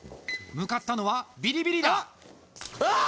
向かったのはビリビリだうわあっ！